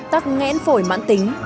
tắc nghẽn phổi mãn tính